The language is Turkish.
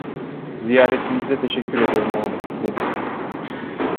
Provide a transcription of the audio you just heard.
Ziyaretinize teşekkür ederim oğlum! dedi.